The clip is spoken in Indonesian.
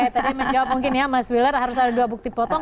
tadi menjawab mungkin ya mas willer harus ada dua bukti potong